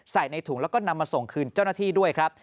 ใส่ในถุงแล้วก็นำมาส่งคืนเจ้าหน้าที่ด้วยครับ